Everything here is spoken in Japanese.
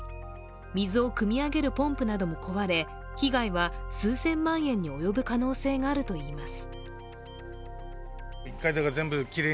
水をくみ上げるポンプなども壊れ被害は数千万円に及ぶ可能性があるといいます